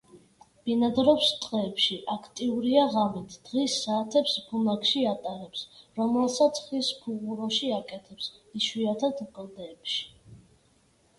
ბინადრობს ტყეებში, აქტიურია ღამით; დღის საათებს ბუნაგში ატარებს, რომელსაც ხის ფუღუროში აკეთებს, იშვიათად კლდეებში.